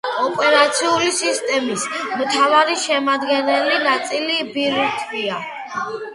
ოპერაციული სისტემის მთავარი შემადგენელი ნაწილი ბირთვია.